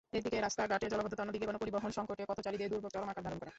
একদিকে রাস্তাঘাটে জলাবদ্ধতা, অন্যদিকে গণপরিবহনসংকটে পথচারীদের দুর্ভোগ চরম আকার ধারণ করে।